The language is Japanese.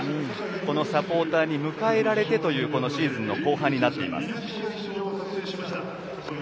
このサポーターに迎えられてというシーズンの後半になっています。